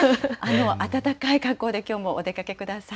暖かい格好できょうもお出かけください。